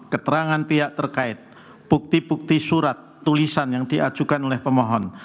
keterangan pihak terkait bukti bukti surat tulisan yang diajukan oleh pemohon